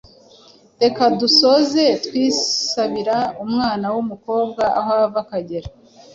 Reka dusoze twisabira umwana w’umukobwa aho ava akagera